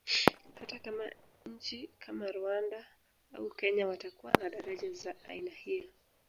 Hata kama nchi kama Rwanda au Kenya watakuwa na daraja za aina hiyo